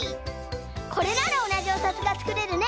これならおなじおさつがつくれるね！